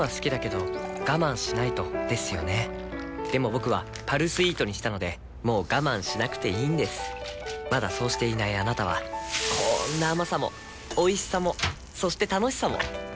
僕は「パルスイート」にしたのでもう我慢しなくていいんですまだそうしていないあなたはこんな甘さもおいしさもそして楽しさもあちっ。